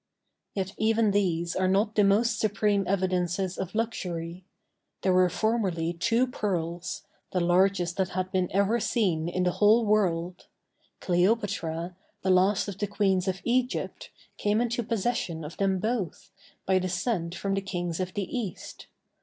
Yet even these are not the most supreme evidences of luxury. There were formerly two pearls, the largest that had been ever seen in the whole world: Cleopatra, the last of the queens of Egypt, came into possession of them both, by descent from the kings of the East.